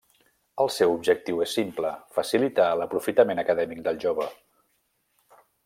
El seu objectiu és simple, facilitar l'aprofitament acadèmic del jove.